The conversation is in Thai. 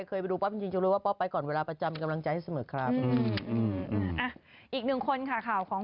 เขาไปล่วงหน้า๑ชั่วโมง